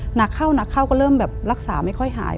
หนักเข้าก็เริ่มแบบรักษาไม่ค่อยหาย